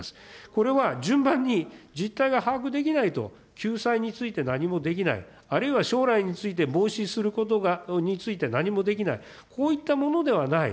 これは順番に実態が把握できないと救済について何もできない、あるいは将来について、防止することについて何もできない、こういったものではない。